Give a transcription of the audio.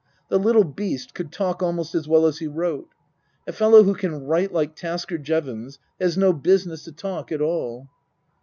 The little beast could talk almost as well as he wrote. A fellow who can write like Tasker Jevons has no business to talk at all.